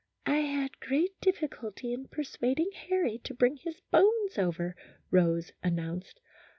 " I had great difficulty in persuading Harry to bring his bones over," Rose announced.